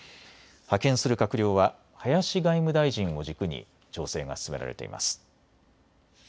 派遣する閣僚は林外務大臣を軸に調整が進められています。